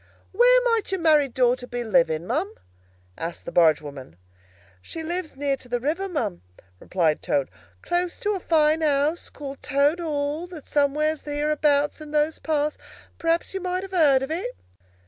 "Where might your married daughter be living, ma'am?" asked the barge woman. "She lives near to the river, ma'am," replied Toad. "Close to a fine house called Toad Hall, that's somewheres hereabouts in these parts. Perhaps you may have heard of it."